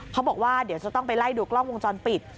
เขาบอกว่าเดี๋ยวจะต้องไปไล่ดูกล้องวงจรปิด